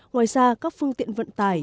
ngoài ra các phương tiện vận tải